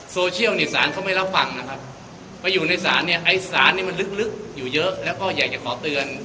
โซเชียลเนี่ยสารเขาไม่รับฟังนะครับไปอยู่ในศาลเนี่ยไอ้สารนี่มันลึกอยู่เยอะแล้วก็อยากจะขอเตือน